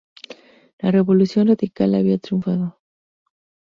La revolución radical había triunfando.